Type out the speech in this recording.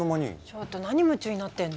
ちょっと何夢中になってんの？